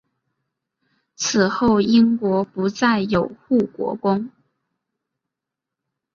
此后英国不再有护国公。